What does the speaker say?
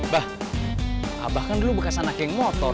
bah abah kan dulu bekas anak geng motor